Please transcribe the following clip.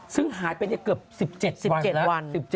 ซึ่งหายไปในเกือบ๑๗วันแล้ว